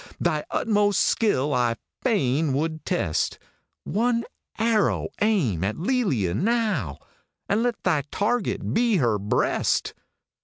Thy utmost skill I fain would test ; One arrow aim at Lelia now, And let thy target be her breast